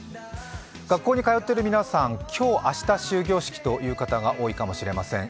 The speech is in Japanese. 学校に通っている皆さん、今日、明日、終業式という方が多いかもしれません。